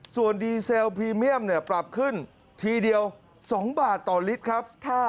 ส่วนดีเซลพรีเมียมเนี่ยปรับขึ้นทีเดียว๒บาทต่อลิตรครับ